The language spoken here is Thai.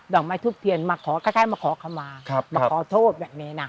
อกไม้ทุบเทียนมาขอคล้ายมาขอขมามาขอโทษแบบนี้นะ